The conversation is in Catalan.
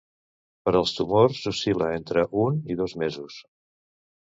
Per als tumors, oscil·la entre un i dos mesos.